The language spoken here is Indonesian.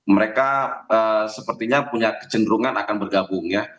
mereka sepertinya punya kecenderungan akan bergabung ya